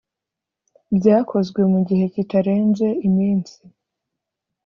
byakozwe mu gihe kitarenze iminsi